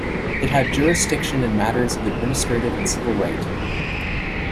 It had jurisdiction in matters of administrative and civil right.